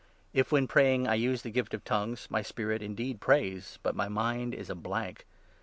If, when praying, I use the gift of 'tongues,' my spirit 14 indeed prays, but my mind is a blank.